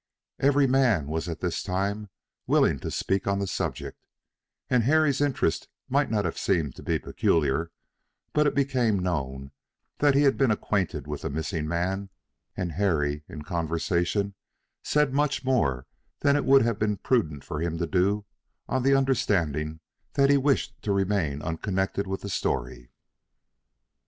Every man was at this time willing to speak on the subject, and Harry's interest might not have seemed to be peculiar; but it became known that he had been acquainted with the missing man, and Harry in conversation said much more than it would have been prudent for him to do on the understanding that he wished to remain unconnected with the story.